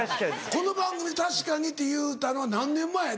この番組で「確かに」って言うたのは何年前？